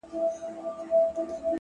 هوښیار انسان له تېرو درس اخلي.